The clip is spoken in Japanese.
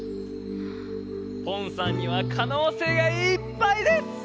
ポンさんにはかのうせいがいっぱいです！